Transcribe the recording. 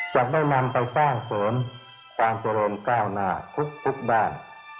จะได้นำไปสร้างเสริมความเจริญก้าวหน้าทุกด้าน